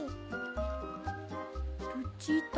ルチータ